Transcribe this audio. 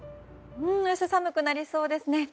明日寒くなりそうですね。